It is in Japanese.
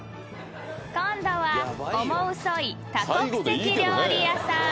［今度はオモウソい多国籍料理屋さん］